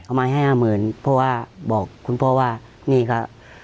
เอาไม้ให้๕๐๐๐๐บาทเพราะว่าบอกคุณพ่อว่านี่ค่ะ